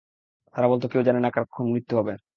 তারা বলতো কেউ জানে না কার কখন মৃত্যু হবে।